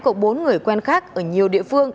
cộng bốn người quen khác ở nhiều địa phương